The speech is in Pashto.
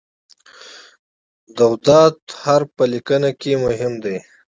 د "ض" حرف په لیکنه کې مهم دی.